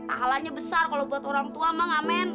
alahnya besar kalau buat orang tua mak ngamen